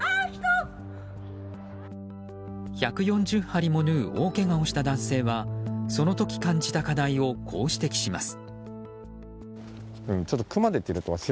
１４０針も縫う大けがをした男性はその時、感じた課題をこう指摘します。